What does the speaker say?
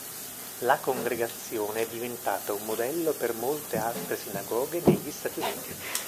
La congregazione è diventata un modello per molte altre sinagoghe negli Stati Uniti.